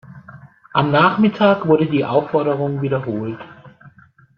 Am Nachmittag wurde die Aufforderung wiederholt.